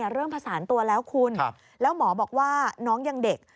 เริ่มผสานตัวแล้วคุณแล้วหมอบอกว่าน้องยังเด็ก